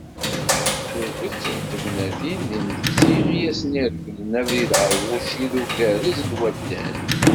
Tuget n tegnatin d timetti i asen-iregglen abrid ɣer wučči d ugerrez n waddad.